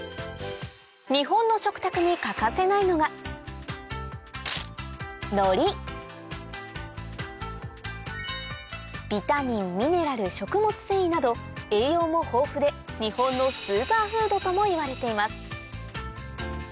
日本の食卓に欠かせないのがなど栄養も豊富で日本のスーパーフードともいわれています